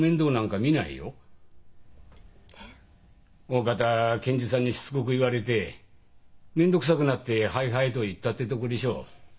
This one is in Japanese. おおかた検事さんにしつこく言われて面倒くさくなって「はいはい」と言ったってとこでしょう。